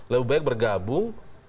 lebih baik bergabung